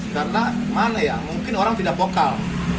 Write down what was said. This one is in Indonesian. karena mana ya mungkin orang tidak vokal